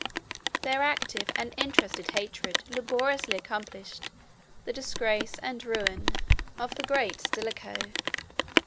Their active and interested hatred laboriously accomplished the disgrace and ruin of the great Stilicho.